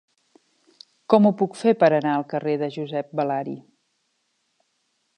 Com ho puc fer per anar al carrer de Josep Balari?